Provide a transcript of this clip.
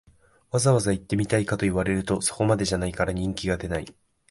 わざわざ行ってみたいかと言われると、そこまでじゃないから人気が出ない